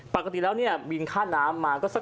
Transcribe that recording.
ปกติแล้วเนี่ยบินค่าน้ำมาก็สัก